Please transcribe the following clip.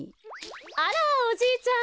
あらおじいちゃん。